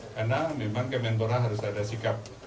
karena memang kemenbora harus ada sikap